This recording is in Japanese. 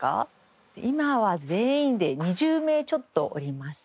今は全員で２０名ちょっとおります。